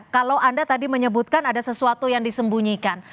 kalau anda tadi menyebutkan ada sesuatu yang disembunyikan